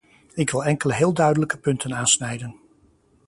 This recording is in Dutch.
Ik wil enkele heel duidelijke punten aansnijden.